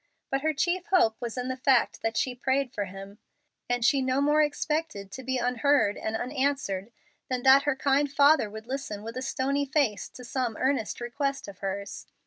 But her chief hope was in the fact that she prayed for him; and she no more expected to be unheard and unanswered than that her kind father would listen with a stony face to some earnest request of hers.